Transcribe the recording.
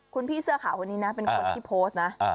คุณพี่เสื้อขาวคนนี้นะเป็นคนที่โพสต์นะ